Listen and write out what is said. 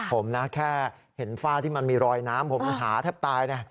ผมนะแค่เห็นฝ้าที่มันมีรอยน้ำผมหาแทบตายนะ